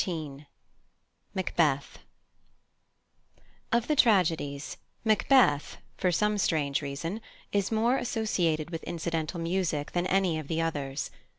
MACBETH Of the tragedies, Macbeth, for some strange reason, is more associated with incidental music than any of the others.